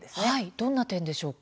どんな点でしょうか。